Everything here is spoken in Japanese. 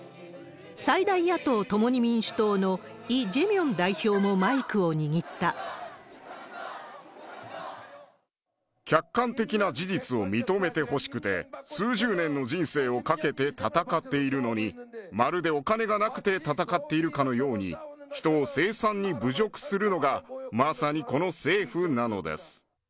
最大野党・共に民主党のイ・ジェミョン代表も客観的な事実を認めてほしくて、数十年の人生を懸けて闘っているのに、丸でお金がなくて戦っているかのように、人を凄惨に侮辱するのが、まさにこの政府なのです。